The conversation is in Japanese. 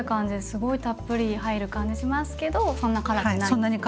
すごいたっぷり入る感じしますけどそんな辛くないんですもんね。